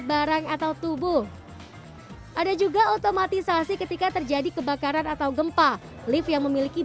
barang atau tubuh ada juga otomatisasi ketika terjadi kebakaran atau gempa lift yang memiliki